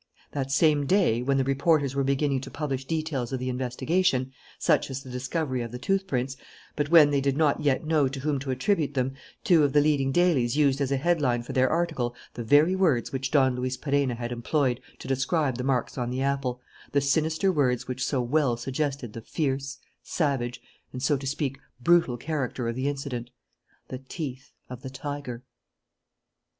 That same day, when the reporters were beginning to publish details of the investigation, such as the discovery of the tooth prints, but when they did not yet know to whom to attribute them, two of the leading dailies used as a headline for their article the very words which Don Luis Perenna had employed to describe the marks on the apple, the sinister words which so well suggested the fierce, savage, and so to speak, brutal character of the incident: "THE TEETH OF THE TIGER."